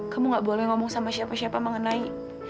kamu gak boleh ngomong sama siapa siapa mengenai